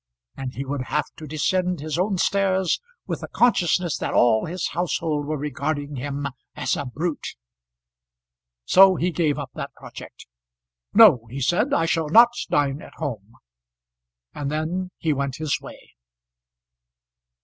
and he would have to descend his own stairs with the consciousness that all his household were regarding him as a brute. So he gave up that project. "No," he said, "I shall not dine at home;" and then he went his way.